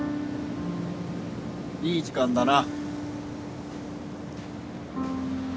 ・いい時間だな。